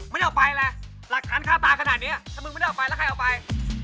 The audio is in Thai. ไม่ได้เอาไปเลยหลักฐานฆ่าตาขนาดนี้ถ้ามึงไม่ได้เอาไปแล้วใครเอาไป